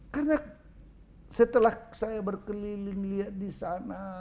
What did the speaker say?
karena setelah saya berkeliling lihat di sana